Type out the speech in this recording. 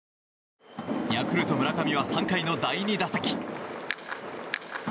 ヤクルト、村上は３回の第２打席。